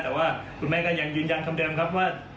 แต่ว่าคุณแม่ก็ยังยืนยันคำเดิมครับว่า